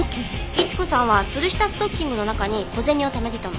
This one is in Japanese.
逸子さんはつるしたストッキングの中に小銭を貯めてたの。